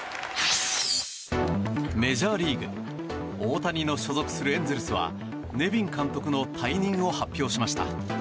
メジャーリーグ大谷の所属するエンゼルスはネビン監督の退任を発表しました。